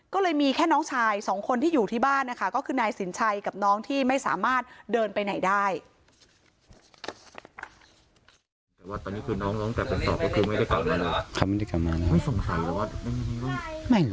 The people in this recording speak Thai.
ก็เลยมีแค่น้องชายสองคนที่อยู่ที่บ้านนะคะก็คือนายสินชัยกับน้องที่ไม่สามารถเดินไปไหนได้